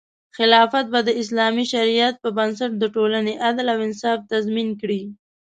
خلافت به د اسلامي شریعت په بنسټ د ټولنې عدل او انصاف تضمین کړي.